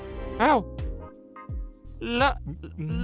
วันนี้คุณรอดครับ